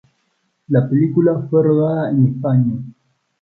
La película fue rodada en España.